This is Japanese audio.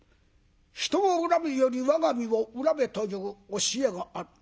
人を恨むより我が身を恨めという教えがある。